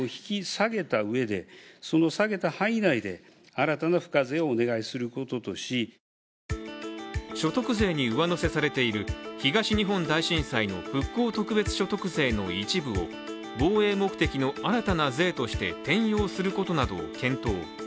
一方、増税の部分について政府は所得税に上乗せされている東日本大震災の復興特別所得税の一部を防衛目的の新たな税として転用することなどを検討。